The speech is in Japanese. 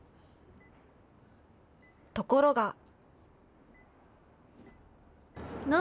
ところが。